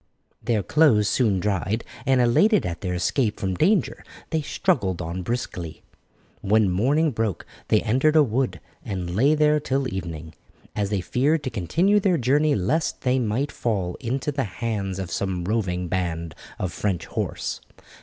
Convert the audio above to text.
Their clothes soon dried, and elated at their escape from danger they struggled on briskly. When morning broke they entered a wood, and lay there till evening, as they feared to continue their journey lest they might fall into the hands of some roving band of French horse.